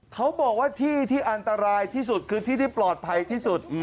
เขาบอกว่าที่ที่อันตรายที่สุดคือที่ที่ปลอดภัยที่สุด